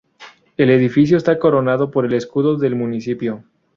El edificio está coronado por el escudo del municipio.